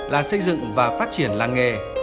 là xây dựng và phát triển làng nghề